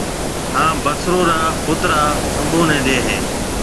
ھان بصرون را ڦوترا سڀون نيَ ڏَي ھيََََ